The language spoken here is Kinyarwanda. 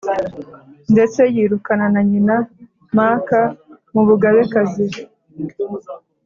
Ndetse yirukana na nyina Māka mu bugabekazi